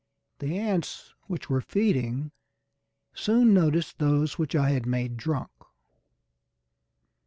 The ants which were feeding soon noticed those which I had made drunk.